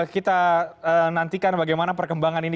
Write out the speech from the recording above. kita nantikan bagaimana perkembangan ini